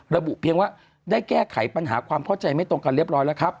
ระบุเพียงว่าได้แก้ไขปัญหาความเข้าใจไม่ตรงกันเรียบร้อยแล้วครับ